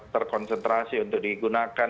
terkonsentrasi untuk digunakan